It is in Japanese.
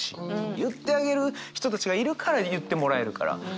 言ってあげる人たちがいるから言ってもらえるから。